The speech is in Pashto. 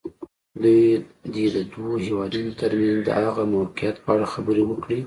دوی دې د دوو هېوادونو تر منځ د هغه موقعیت په اړه خبرې وکړي.